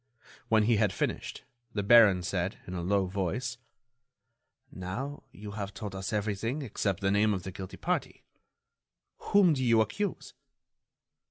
When he had finished, the baron said, in a low voice: "Now, you have told us everything except the name of the guilty party. Whom do you accuse?"